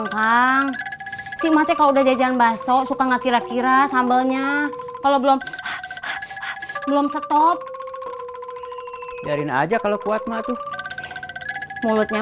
sampai jumpa di video selanjutnya